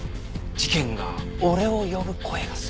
事件が俺を呼ぶ声がする。